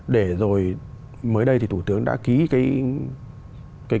để rồi mới đây thì thủ tướng đã ký cái